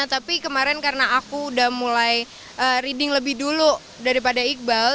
tapi kemarin karena aku udah mulai reading lebih dulu daripada iqbal